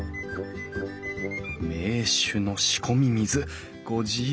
「銘酒の仕込み水御自由に」。